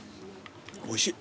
おいしい。